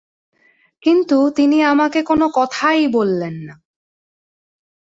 কিন্তু, তিনি আমাকে কোনো কথাই বললেন না।